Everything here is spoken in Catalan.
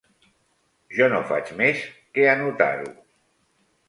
Jo no faig més que anotar-ho